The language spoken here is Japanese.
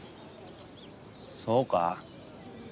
そうか？